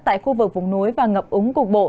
tại khu vực vùng núi và ngập úng cục bộ